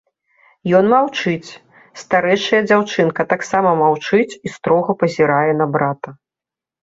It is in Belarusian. Ён маўчыць, старэйшая дзяўчынка таксама маўчыць і строга пазірае на брата.